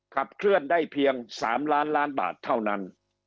ขับเคลื่อนได้เพียง๓ล้านล้านบาทเท่านั้น